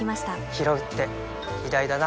ひろうって偉大だな